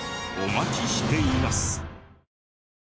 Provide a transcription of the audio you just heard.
お待ちしています。